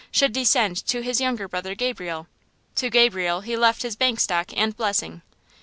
should descend to his younger brother Gabriel. To Gabriel he left his bank stock and blessing."